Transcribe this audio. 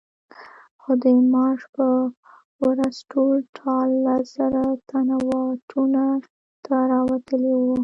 خو د مارش په ورځ ټول ټال لس زره تنه واټونو ته راوتلي وو.